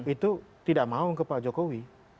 itu tidak mau ke pak jokowi